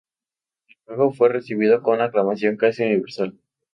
El juego fue recibido con aclamación casi universal.